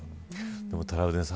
トラウデンさん